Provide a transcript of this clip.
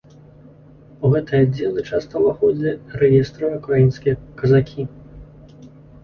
У гэтыя аддзелы часта ўваходзілі рэестравыя ўкраінскія казакі.